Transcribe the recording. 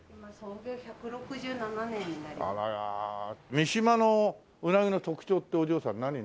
三島のうなぎの特徴ってお嬢さん何になるの？